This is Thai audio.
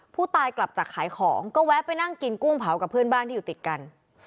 ผู้ตายกลับจากขายของก็แวะไปนั่งกินกุ้งเผากับเพื่อนบ้านที่อยู่ติดกัน